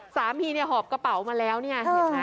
สามีเนี่ยหอบกระเป๋ามาแล้วเนี่ย